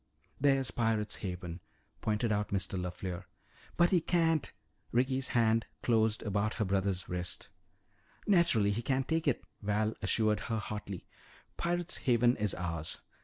"There's Pirate's Haven," pointed out Mr. LeFleur. "But he can't " Ricky's hand closed about her brother's wrist. "Naturally he can't take it," Val assured her hotly. "Pirate's Haven is ours.